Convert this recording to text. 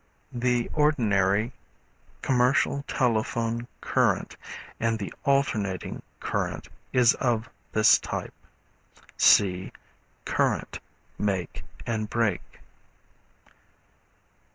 The ordinary commercial telephone current and the alternating current is of this type. (See Current, Make and Break.)